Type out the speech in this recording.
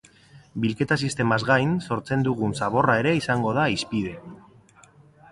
Bilketa sistemaz gain, sortzen dugun zaborra ere izango da hizpide.